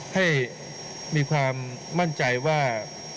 ให้มีความมั่นใจว่า